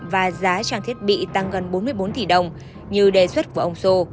và giá trang thiết bị tăng gần bốn mươi bốn tỷ đồng như đề xuất của ông sô